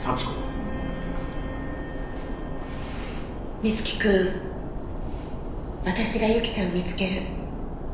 瑞貴くん私がユキちゃん見つける。